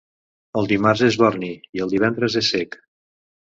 El dimarts és borni i el divendres és cec.